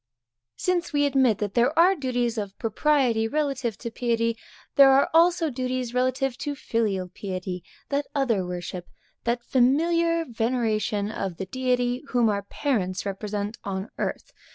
_ Since we admit that there are duties of propriety relative to piety, there are also duties relative to filial piety, that other worship, that familiar veneration of the Deity, whom our parents represent on earth.